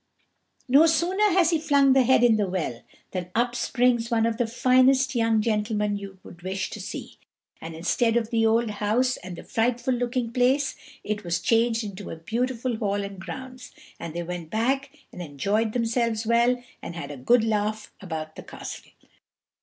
No sooner has he flung the head in the well, than up springs one of the finest young gentlemen you would wish to see; and instead of the old house and the frightful looking place, it was changed into a beautiful hall and grounds. And they went back and enjoyed themselves well, and had a good laugh about the castle.